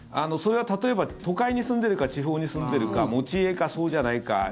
それは、例えば都会に住んでいるか地方に住んでいるか持ち家かそうじゃないか。